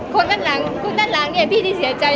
คนด้านหลังเนี่ยพี่ที่เสียใจ